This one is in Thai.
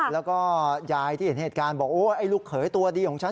แล้วก็ยายที่เห็นเหตุการณ์บอกโอ้ไอ้ลูกเขยตัวดีของฉัน